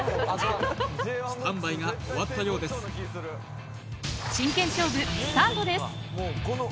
スタンバイが終わったようです